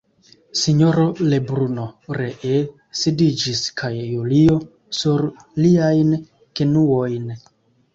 Sinjoro Lebruno ree sidiĝis kaj Julio sur liajn genuojn.